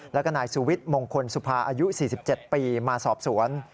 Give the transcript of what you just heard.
แล้วก็นายสุวิทย์มงคลสุภาอายุ๔๗ปีมาสอบสวน